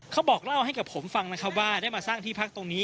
เขาบอกเล่าให้กับผมฟังนะครับว่าได้มาสร้างที่พักตรงนี้